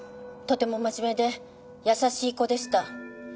とても真面目で優しい子でした。